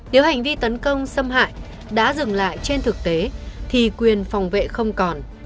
nếu hành vi tấn công xâm hại đã dừng lại trên thực tế thì quyền phòng vệ không còn